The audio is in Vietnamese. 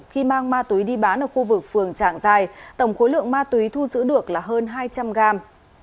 khi mang ma túy đi bán ở khu vực phường trạng giài tổng khối lượng ma túy thu giữ được hơn hai trăm linh gam